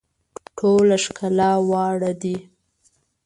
ټوله ښکلا واړه دي.